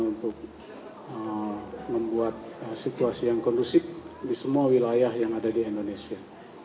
untuk membuat situasi yang kondusif di semua wilayah yang ada di indonesia